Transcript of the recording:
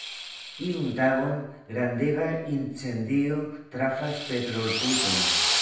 Iun tagon, grandega incendio trafas petrol-puton.